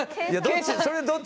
それはどっち。